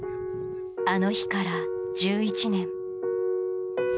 あの日から１１年。